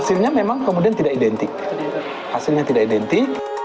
hasilnya memang kemudian tidak identik hasilnya tidak identik